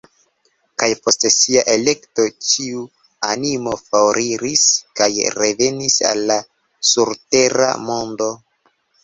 Kaj post sia elekto ĉiu animo foriris kaj revenis al la surtera mondo.